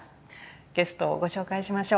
ゲストをご紹介しましょう。